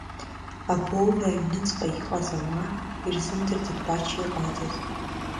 Абоура аҩнуҵҟа иҟаз ауаа ирзымдырӡеит Бача иҟанаҵаз.